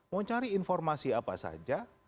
mau cari informasi apa saja